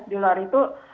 di luar itu